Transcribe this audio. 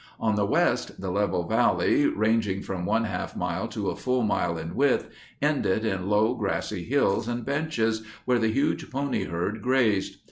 On the west the level valley, ranging from one half mile to a full mile in width, ended in low 44 grassy hills and benches where the huge pony herd grazed.